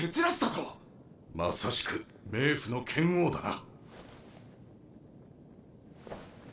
まさしく冥府の剣王だな。